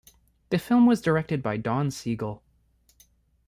The film was directed by Don Siegel.